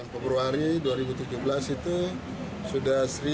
pada bulan februari dua ribu tujuh belas itu sudah seribu